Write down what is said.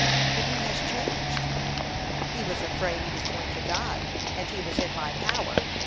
"But he has changed." "He was afraid he was going to die, and he was in my power.